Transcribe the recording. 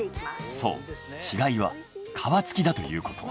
そう違いは皮付きだということ。